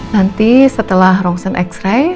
nanti setelah rongsen x ray